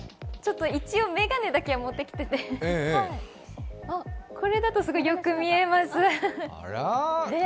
一応、眼鏡だけは持ってきていてこれだとすごいよく見えます。